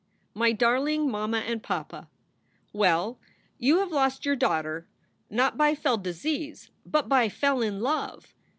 MY DARLING MAMMA AND PAPA, Well, you have lost your daughter not by fell disease, but by fell in love.